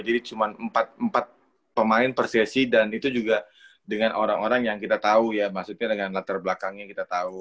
jadi cuma empat pemain per sesi dan itu juga dengan orang orang yang kita tahu ya maksudnya dengan latar belakangnya kita tahu